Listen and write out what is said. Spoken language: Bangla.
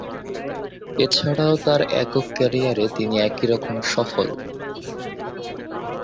এছাড়াও তার একক ক্যারিয়ারে তিনি একই রকম সফল।